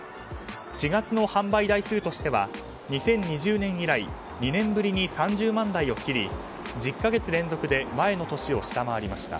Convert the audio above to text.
４月の販売台数としては２０２０年以来２年ぶりに３０万台を切り１０か月連続で前の年を下回りました。